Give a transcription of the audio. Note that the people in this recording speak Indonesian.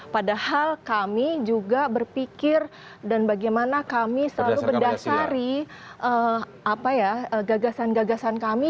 padahal kami juga berpikir dan bagaimana kami selalu berdasari gagasan gagasan kami